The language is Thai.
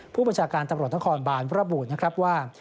ผู้บัญชาการตำรวจนครบานระบุนะครับว่า